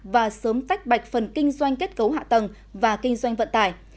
và sớm tách bạch phần kinh doanh kết cấu hạ tầng và kinh doanh vận tải